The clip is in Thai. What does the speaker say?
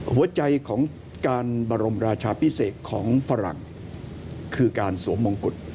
หัวใจของการบรมราชาพิเศษของฝรั่งคือการสวมมงกุฎ